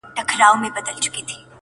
د ابوجهل د غرور په اجاره ختلی؛